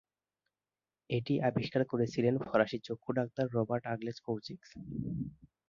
এটি আবিষ্কার করেছিলেন ফরাসি চক্ষু-ডাক্তার রবার্ট-আগলে কৌচিক্স।